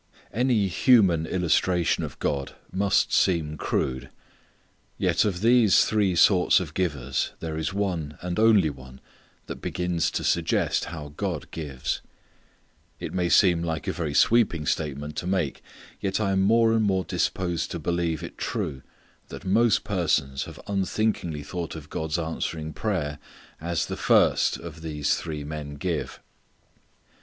Any human illustration of God must seem crude. Yet of these three sorts of givers there is one and only one that begins to suggest how God gives. It may seem like a very sweeping statement to make, yet I am more and more disposed to believe it true that most persons have unthinkingly thought of God's answering prayer as the first of these three men give.